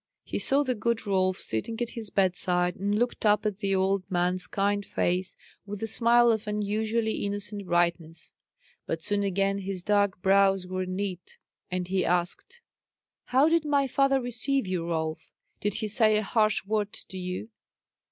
He saw the good Rolf sitting at his bedside, and looked up in the old man's kind face with a smile of unusually innocent brightness. But soon again his dark brows were knit, and he asked, "How did my father receive you, Rolf? Did he say a harsh word to you?"